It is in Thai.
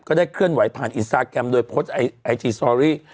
ได้เคลื่อนไหวผ่านอินสตาแกรมโดยโพสต์ไอจีสตอรี่